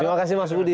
terima kasih mas budi